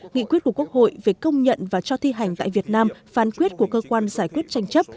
nghị quyết của quốc hội về công nhận và cho thi hành tại việt nam phán quyết của cơ quan giải quyết tranh chấp